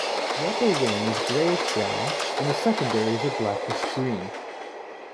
The upper wing is grayish-brown, and the secondaries are blackish-green.